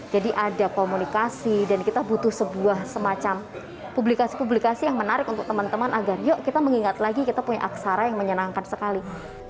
jadi ada komunikasi dan kita butuh sebuah semacam publikasi publikasi yang menarik untuk teman teman agar yuk kita mengingat lagi kita punya aksara yang menyenangkan sekali